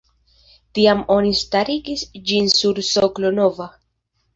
Tiam oni starigis ĝin sur soklo nova.